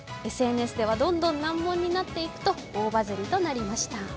ＳＮＳではどんどん難問になっていくと、大バズリとなりました。